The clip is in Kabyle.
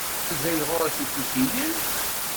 Mazal ɣur-k itikiyen?